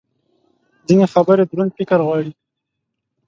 ځینې خبرې دروند فکر غواړي.